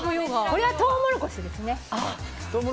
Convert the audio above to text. これはトウモロコシですね。